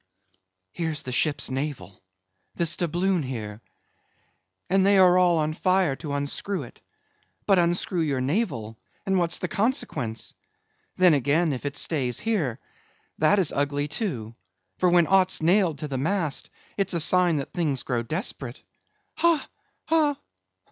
"Here's the ship's navel, this doubloon here, and they are all on fire to unscrew it. But, unscrew your navel, and what's the consequence? Then again, if it stays here, that is ugly, too, for when aught's nailed to the mast it's a sign that things grow desperate. Ha, ha!